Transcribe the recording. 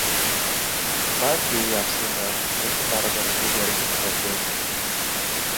Balki u yaxshilanar, lekin baribir ilgarigi kitob bo‘lmaydi!